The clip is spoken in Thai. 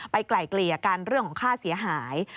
ไกล่เกลี่ยกันเรื่องของค่าเสียหาย